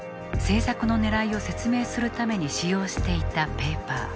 岩田が政策の狙いを説明するために使用していたペーパー。